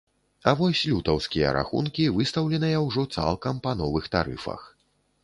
А вось лютаўскія рахункі выстаўленыя ўжо цалкам па новых тарыфах.